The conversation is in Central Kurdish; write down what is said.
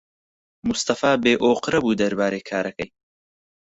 مستەفا بێئۆقرە بوو دەربارەی کارەکەی.